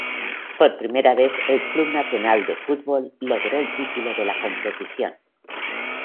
Por primera vez, el Club Nacional de Football logró el título de la competición.